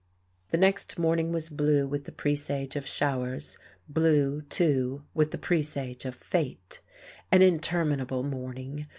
The next morning was blue with the presage of showers; blue, too, with the presage of fate. An interminable morning.